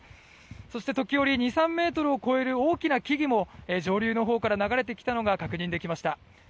そして、時折２３ｍを超える大きな木々も上流のほうから流れてきたのが確認できました。